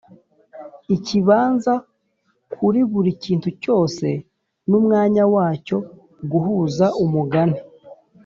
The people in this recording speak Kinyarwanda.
ikibanza kuri buri kintu cyose mumwanya wacyo guhuza umugani